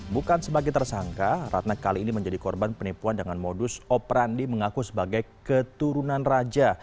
bukan sebagai tersangka ratna kali ini menjadi korban penipuan dengan modus operandi mengaku sebagai keturunan raja